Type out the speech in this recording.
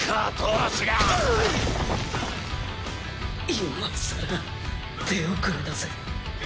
今更手遅れだぜ。